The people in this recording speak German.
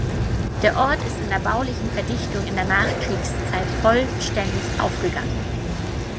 Der Ort ist in der baulichen Verdichtung in der Nachkriegszeit vollständig aufgegangen.